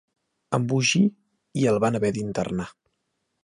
Embogí, i el van haver d'internar.